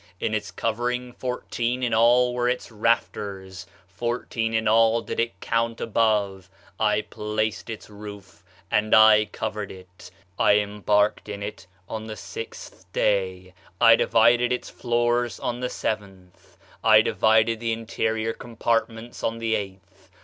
In its covering fourteen in all were its rafters fourteen in all did it count above. I placed its roof, and I covered it. I embarked in it on the sixth day; I divided its floors on the seventh; I divided the interior compartments on the eighth.